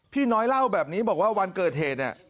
พี่น้อยเล่าแบบนี้บอกว่าวันเกิดเหตุเนี่ย